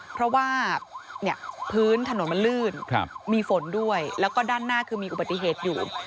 เพราะว่าพื้นถนนมันลื่นมีฝนด้วยแล้วก็ด้านหน้าคือมีอุบัติเหตุอยู่